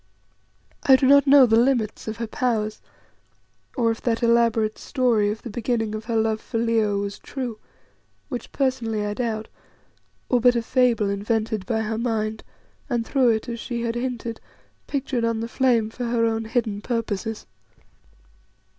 I do not know the limits of her powers, or if that elaborate story of the beginning of her love for Leo was true which personally I doubt or but a fable, invented by her mind, and through it, as she had hinted, pictured on the flame for her own hidden purposes.